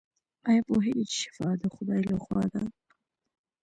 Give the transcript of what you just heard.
ایا پوهیږئ چې شفا د خدای لخوا ده؟